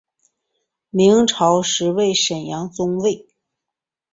明朝时为沈阳中卫。